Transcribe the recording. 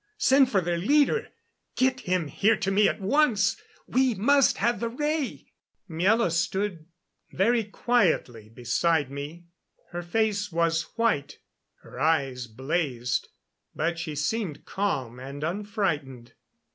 Send for their leader. Get him here to me at once we must have the ray!" Miela stood very quietly beside me. Her face was white; her eyes blazed, but she seemed calm and unfrightened.